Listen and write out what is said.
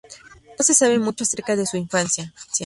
No se sabe mucho acerca de su infancia.